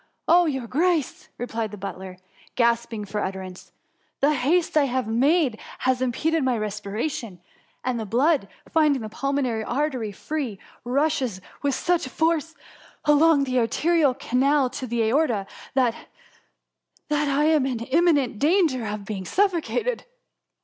" Oh, your grace, replied the butler, gasp ing for utterance, ^^ the haste I have made has impeded my respiration ; and the blood, find ing the pulmonary artery free, rushes with ^ch force along the arterial canal to the aorta, that !9 ■■ THE MUMMY. HB — that — I am in imminent danger of being suf focated.''